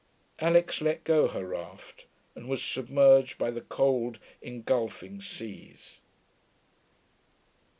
Alix let go her raft, and was submerged by the cold, engulfing seas.